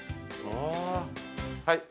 はい。